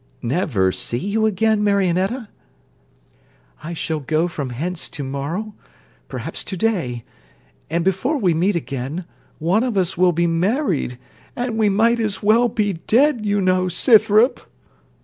'Never see you again, Marionetta?' 'I shall go from hence to morrow, perhaps to day; and before we meet again, one of us will be married, and we might as well be dead, you know, Scythrop.'